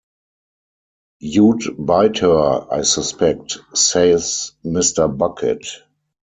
"You'd bite her, I suspect," says Mr. Bucket.